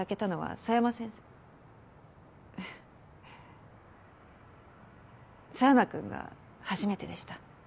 佐山くんが初めてでした。